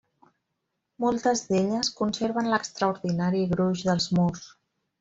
Moltes d'elles conserven l'extraordinari gruix dels murs.